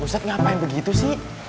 ustadz ngapain begitu sih